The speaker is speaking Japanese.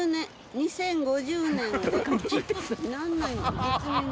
２０５０年に。